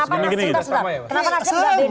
kenapa nasdem sudah beda langsung